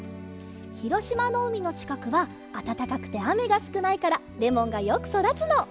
ひろしまのうみのちかくはあたたかくてあめがすくないからレモンがよくそだつの。